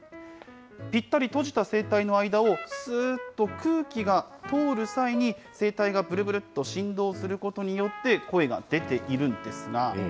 ぴったり閉じた声帯の間を、すーっと空気が通る際に、声帯がぶるぶるっと振動することによって、声が出ているんですが。